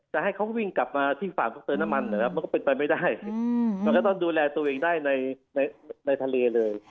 จะให้เขาวิ่งกลับมาที่ฝั่งตรงเติมน้ำมันนะครับมันก็เป็นไปไม่ได้มันก็ต้องดูแลตัวเองได้ในทะเลเลย